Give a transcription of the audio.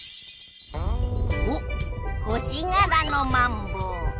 おっ星がらのマンボウ。